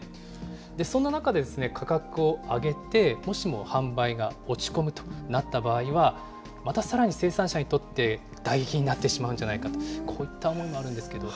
そんな中で価格を上げて、もしも販売が落ち込むとなった場合は、またさらに生産者にとって打撃になってしまうんじゃないかと、こういった思いがあるんですけれども。